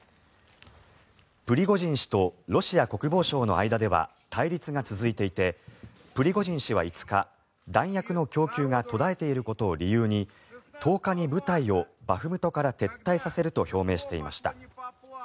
プリゴジン氏とロシア国防省の間では対立が続いていてプリゴジン氏は５日弾薬の供給が途絶えていることを理由に１０日に部隊をバフムトから撤退させると表明していました。